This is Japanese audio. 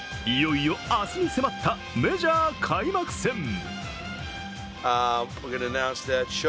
いよいよ明日に迫ったメジャー開幕戦。